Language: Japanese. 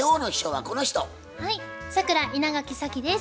はい桜稲垣早希です。